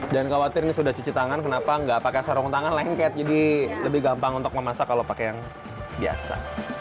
jangan khawatir ini sudah cuci tangan kenapa nggak pakai sarung tangan lengket jadi lebih gampang untuk memasak kalau pakai yang biasa